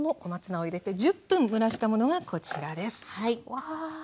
わあ。